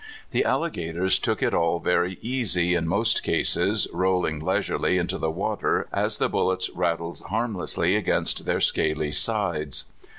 The aUigators took it all very easy in most cases, rolling leisurely into the water as the bullets rattled harmlessly against their scaly sides.